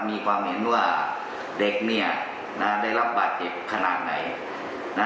มีความเห็นว่าเด็กได้รับบาดเจ็บขนาดไหนนะ